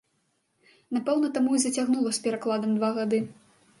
Напэўна, таму і зацягнула з перакладам два гады.